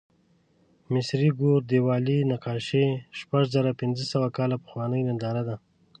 د مصري ګور دیوالي نقاشي شپږزرهپینځهسوه کاله پخوانۍ ننداره ده.